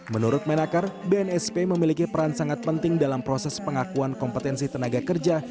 menurut menakar bnsp memiliki peran sangat penting dalam proses pengakuan kompetensi tenaga kerja